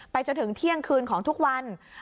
จนถึงเที่ยงคืนของทุกวัน